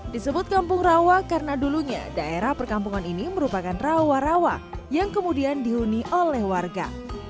disebut kampung rawa karena dulunya daerah perkampungan ini merupakan rawa rawa yang kemudian dihuni oleh warga